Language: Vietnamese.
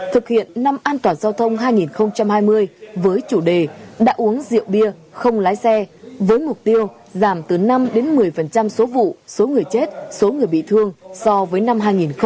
thực hiện năm an toàn giao thông hai nghìn hai mươi với chủ đề đã uống rượu bia không lái xe với mục tiêu giảm từ năm một mươi số vụ số người chết số người bị thương so với năm hai nghìn một mươi chín